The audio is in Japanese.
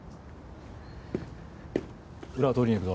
裏を取りに行くぞ。